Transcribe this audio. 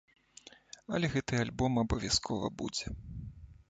Але гэты альбом абавязкова будзе.